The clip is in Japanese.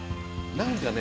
何かね。